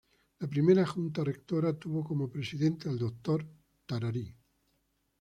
La primera Junta Rectora tuvo como Presidente al Dr.